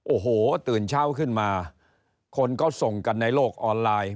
โอ้โหตื่นเช้าขึ้นมาคนก็ส่งกันในโลกออนไลน์